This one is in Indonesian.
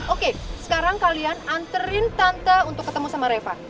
oke sekarang kalian anterin tante untuk ketemu sama reva